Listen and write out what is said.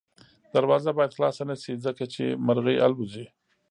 دروازه باید خلاصه نه شي ځکه چې مرغۍ الوځي.